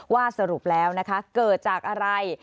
สรุปแล้วนะคะเกิดจากอะไร